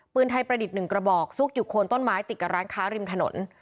ปืนไทยประดิษฐ์๑กระบอกซุกอยู่โคนต้นไม้ติดกับร้านค้าริมถนน